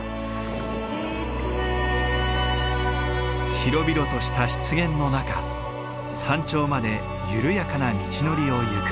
広々とした湿原の中山頂まで緩やかな道のりを行く。